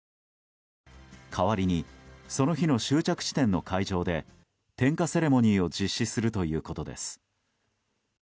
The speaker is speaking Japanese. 代わりにその日の終着地点の会場で点火セレモニーを実施するということです。